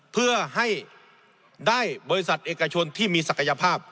เพื่อให้ได้บริษัทเอกชนที่มีศักยภาพ